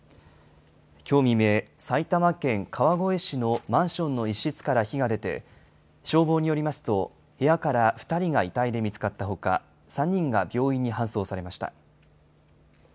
きょう未明、埼玉県川越市のマンションの一室から火が出て、消防によりますと、部屋から２人が遺体で見つかったほか、３人が病院に搬送されました。